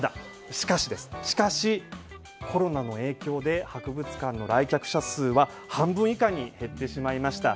しかし、コロナの影響で博物館の来客者数は半分以下に減ってしまいました。